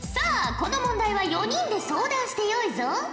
この問題は４人で相談してよいぞ。